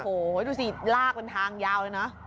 โอ้โหดูสิลากเป็นทางยาวเลยนะ